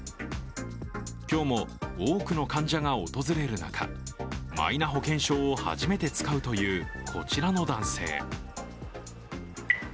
今日も多くの患者が訪れる中、マイナ保険証を初めて使うというこちらの男性。